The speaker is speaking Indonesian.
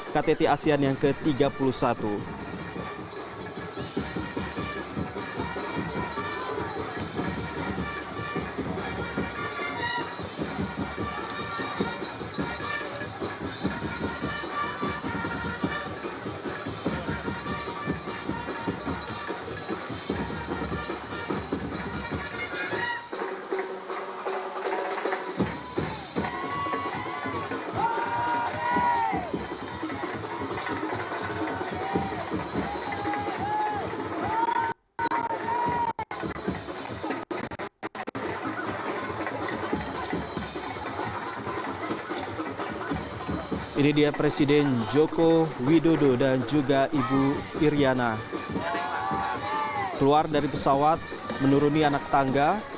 ktt asean jepang